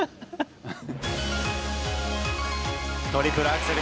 トリプルアクセル